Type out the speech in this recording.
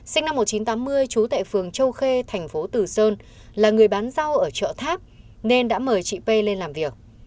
sinh năm một nghìn chín trăm tám mươi trú tại phường châu khê thành phố tử sơn là người bán rau ở chợ tháp nên đã mời chị p lên làm việc